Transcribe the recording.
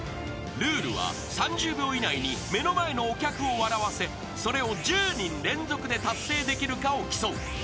［ルールは３０秒以内に目の前のお客を笑わせそれを１０人連続で達成できるかを競う］